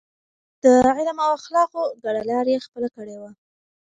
د علم او اخلاقو ګډه لار يې خپله کړې وه.